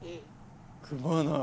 組まない！